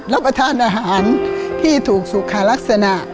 รับประทานอาหารที่ถูกสุขาลักษณะ